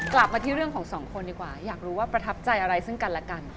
กลับมาที่เรื่องของสองคนดีกว่าอยากรู้ว่าประทับใจอะไรซึ่งกันและกัน